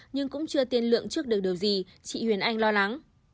nhưng cũng chưa tiên lượng trước được điều gì chị huyền anh lo lắng